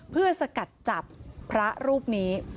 เพื่อสกัดจับพระรูปนี้